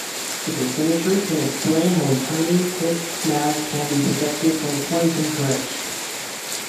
Supersymmetry can explain how a tiny Higgs mass can be protected from quantum corrections.